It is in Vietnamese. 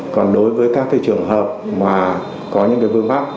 còn đối với các trường hợp mà có những vướng mắt